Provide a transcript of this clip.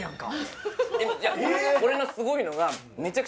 これのすごいのが。